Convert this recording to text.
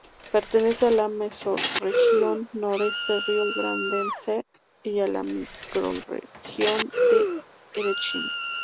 Pertenece a la Mesorregión Noroeste Rio-Grandense y a la Microrregión de Erechim.